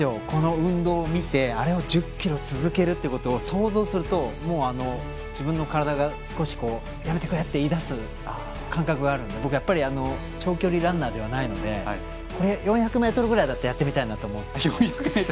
この運動を見てあれを１０ｋｍ続けることを想像すると自分の体がやめてくれって言いだす感覚があるので僕は長距離ランナーではないので４００ｍぐらいだったらやってみたいなと思いますけど。